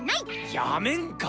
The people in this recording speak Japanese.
やめんか！